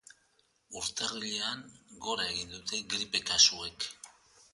Urtarrilean gora egin dute gripe kasuek.